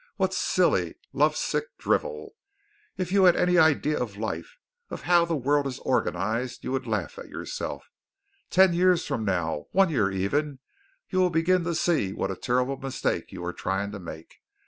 What silly, love sick drivel. If you had any idea of life, of how the world is organized, you would laugh at yourself. Ten years from now, one year even, you will begin to see what a terrible mistake you are trying to make.